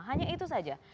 hanya itu saja